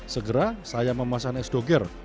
segera saya memasang es doger